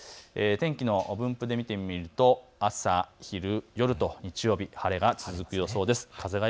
天気の分布で見てみると朝昼夜と日曜日、晴れが続く予想です。